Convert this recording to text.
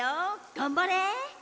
がんばれ！